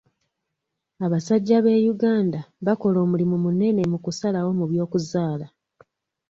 Abasajja be Uganda bakola omulimu munene mu kusalawo mu by'okuzaala.